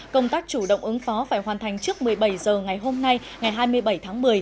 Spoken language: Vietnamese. công tác chủ động ứng phó phải hoàn thành trước một mươi bảy h ngày hôm nay ngày hai mươi bảy tháng một mươi